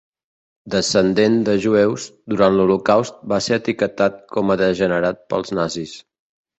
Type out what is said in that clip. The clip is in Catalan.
Descendent de jueus, durant l'Holocaust va ser etiquetat com a degenerat pels nazis.